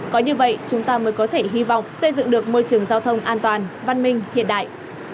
có như vậy chúng ta mới có thể hy vọng xây dựng được môi trường giao thông an toàn văn minh hiện đại